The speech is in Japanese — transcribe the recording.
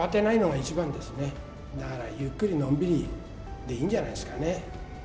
だからゆっくりのんびりでいいんじゃないですかね。